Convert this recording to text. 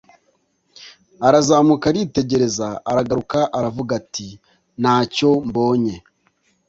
Arazamuka aritegereza aragaruka aravuga ati “Nta cyo mbonye”